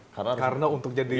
karena untuk jadi